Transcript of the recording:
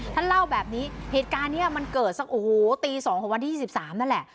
ท่านเล่าแบบนี้เหตุการณ์นี้มันเกิดสักโอ้โหตี๒ของวันที่๒๓นั่นแหละ